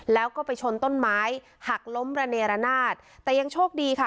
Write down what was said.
แล้วก็ไปชนต้นไม้หักล้มระเนรนาศแต่ยังโชคดีค่ะ